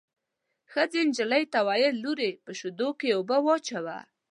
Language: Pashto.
ښځې نجلۍ ته وویل: لورې په شېدو کې اوبه واچوه.